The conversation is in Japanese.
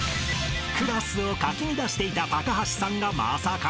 ［クラスをかき乱していた高橋さんがまさかの１位］